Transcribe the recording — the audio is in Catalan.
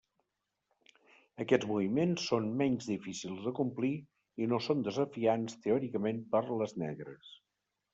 Aquests moviments són menys difícils de complir i no són desafiants teòricament per les negres.